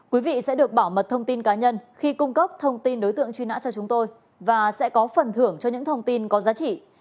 quý vị sẽ được bảo mật thông tin cá nhân khi cung cấp thông tin đối tượng truy nã cho chúng tôi và sẽ có phần thưởng cho những thông tin có giá trị